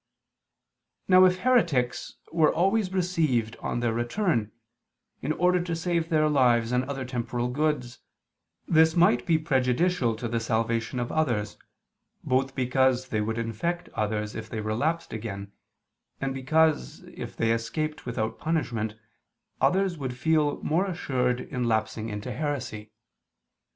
Now if heretics were always received on their return, in order to save their lives and other temporal goods, this might be prejudicial to the salvation of others, both because they would infect others if they relapsed again, and because, if they escaped without punishment, others would feel more assured in lapsing into heresy.